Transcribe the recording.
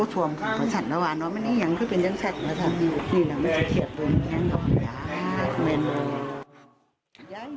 นี่นะมันจะเฉียบตัวนี้อย่างนี้